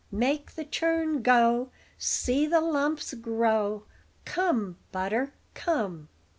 Make the churn go, See the lumps grow! Come, butter, come!"